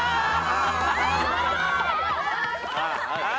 ああ。